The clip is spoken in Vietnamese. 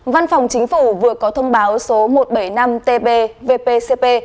văn phòng chính phủ vừa có thông báo số một trăm bảy mươi năm tb vpcp